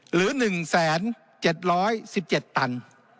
หรือ๑๗๑๗ตัน